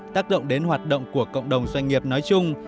tác động đến hoạt động của cộng đồng doanh nghiệp nói chung